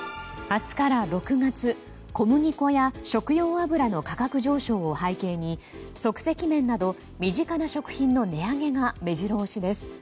明日から６月小麦粉や食用油の価格上昇を背景に、即席麺など身近な食品の値上げが目白押しです。